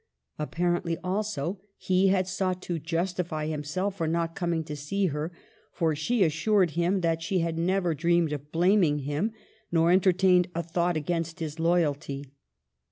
Apparently also, he had sought to justify himself for not coming to see her, for she assured him that she had never dreamed of blaming him, nor entertained a thought against his loyalty.